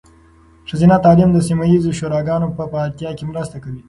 ښځینه تعلیم د سیمه ایزې شوراګانو په فعالتیا کې مرسته کوي.